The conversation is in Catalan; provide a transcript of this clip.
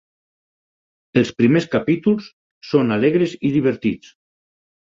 Els primers capítols són alegres i divertits.